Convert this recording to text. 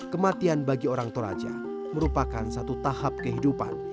kematian bagi orang toraja merupakan satu tahap kehidupan